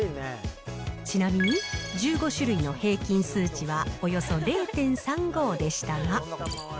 ちなみに、１５種類の平均数値はおよそ０．３５でしたが。